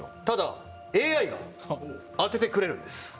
ただ、ＡＩが当ててくれるんです。